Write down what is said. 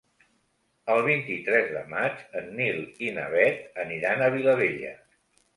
El vint-i-tres de maig en Nil i na Bet aniran a Vilabella.